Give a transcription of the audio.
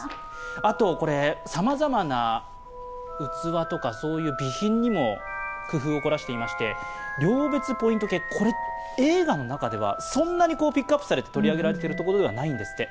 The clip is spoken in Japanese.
あとさまざまな器とかそういう備品にも工夫を凝らしていまして、寮別ポイント計、映画の中ではそんなにピックアップされて取り上げられてるわけではないんですって。